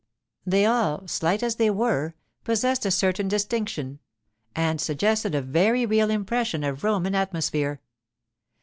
They all, slight as they were, possessed a certain distinction, and suggested a very real impression of Roman atmosphere.